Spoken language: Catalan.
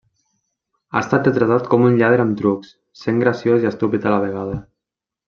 Ha estat retratat com un lladre amb trucs, sent graciós i estúpid a la vegada.